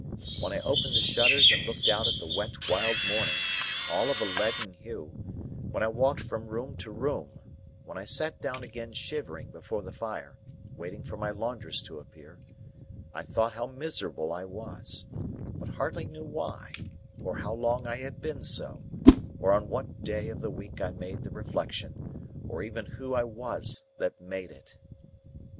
When I opened the shutters and looked out at the wet wild morning, all of a leaden hue; when I walked from room to room; when I sat down again shivering, before the fire, waiting for my laundress to appear; I thought how miserable I was, but hardly knew why, or how long I had been so, or on what day of the week I made the reflection, or even who I was that made it.